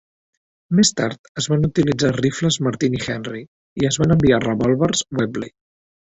Més tard es van utilitzar rifles Martini-Henry i es van enviar revòlvers Webley.